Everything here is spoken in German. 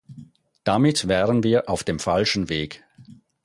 Damit wären wir auf dem falschen Weg.